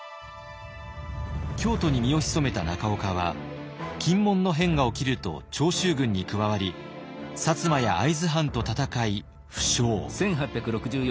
京都に身を潜めた中岡は禁門の変が起きると長州軍に加わり摩や会津藩と戦い負傷。